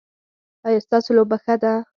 ایا ستاسو لوبه ښه نه ده؟